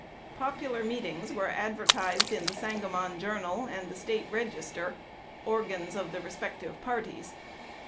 Popular meetings were advertised in "The Sangamon Journal" and "The State Register," organs of the respective parties.